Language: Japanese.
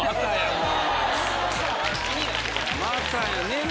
もう。